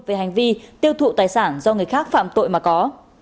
về hành vi tiêu thụ tài sản do người khác phạm tội mà có